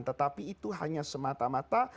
tetapi itu hanya semata mata